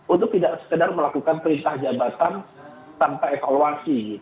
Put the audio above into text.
untuk tidak sekedar melakukan perintah jabatan tanpa evaluasi